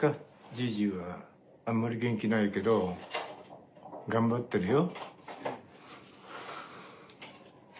じいじはあんまり元気ないけど、頑張ってるよ。